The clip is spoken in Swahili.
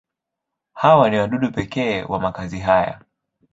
Hawa ni wadudu pekee wa makazi haya.